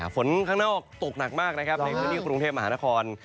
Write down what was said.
ฝนข้างนอกตกหนักมากนะครับในพื้นที่กรุงเทพมหานคร